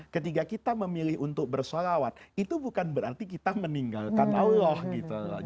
ketika kita memilih untuk bersalawat itu bukan berarti kita meninggalkan allah gitu loh